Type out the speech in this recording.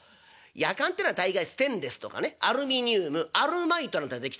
やかんてのは大概ステンレスとかねアルミニウムアルマイトなんてので出来てますよ。